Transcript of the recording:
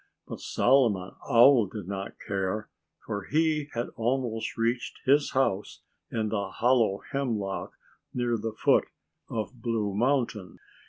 But Solomon Owl did not care, for he had almost reached his house in the hollow hemlock near the foot of Blue Mountain.